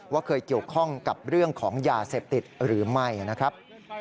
เคยเกี่ยวข้องกับเรื่องของยาเสพติดหรือไม่นะครับ